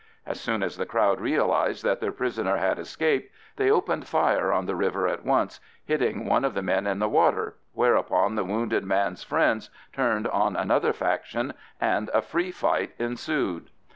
As soon as the crowd realised that their prisoner had escaped, they opened fire on the river at once, hitting one of the men in the water, whereupon the wounded man's friends turned on another faction and a free fight ensued.